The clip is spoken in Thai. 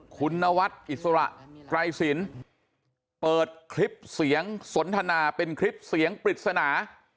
คุณนวัดอิสระไกรสินเปิดคลิปเสียงสนทนาเป็นคลิปเสียงปริศนา